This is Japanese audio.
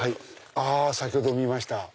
あっ先ほど見ました！